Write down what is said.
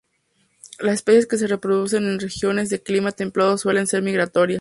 Las especies que se reproducen en regiones de clima templado suelen ser migratorias.